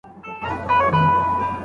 ماتاته کتل